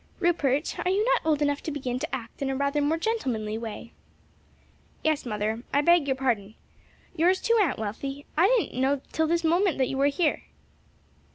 "Rupert, are you not old enough to begin to act in a rather more gentlemanly way?" "Yes, mother, I beg your pardon. Yours too, Aunt Wealthy, I didn't know till this moment that you were here."